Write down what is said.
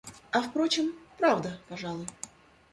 А впрочем, правда, пожалуй.